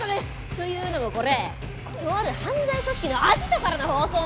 というのもこれとある犯罪組織のアジトからの放送なんですよ。